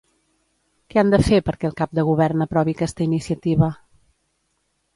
Què han de fer perquè el cap de govern aprovi aquesta iniciativa?